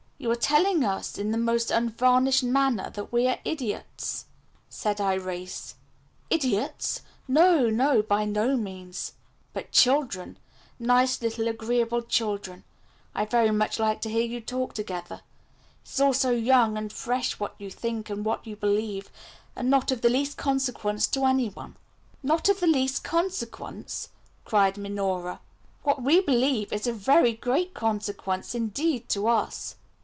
"You are telling us in the most unvarnished manner that we are idiots," said Irais. "Idiots? No, no, by no means. But children, nice little agreeable children. I very much like to hear you talk together. It is all so young and fresh what you think and what you believe, and not of the least consequence to any one. "Not of the least consequence?" cried Minora. "What we believe is of very great consequence indeed to us."